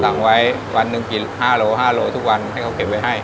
สั่งไว้วันหนึ่งกี่ห้าโลห้าโลทุกวันให้เขาเก็บไว้ให้